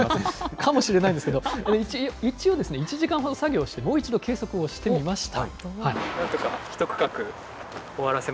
かもしれないんですけど、一応、１時間ほど作業して、もう一度計測をしてみました。